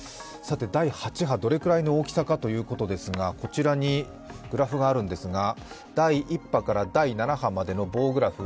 第８波、どれくらいの大きさかということですがこちらにグラフがあるんですが、第１波から第７波までの棒グラフ。